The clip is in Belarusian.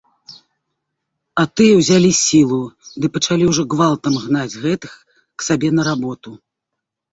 А тыя ўзялі сілу ды пачалі ўжо гвалтам гнаць гэтых к сабе на работу.